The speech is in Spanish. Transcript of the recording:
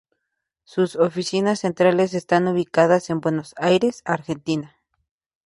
Sus oficinas centrales están ubicadas en Buenos Aires, Argentina.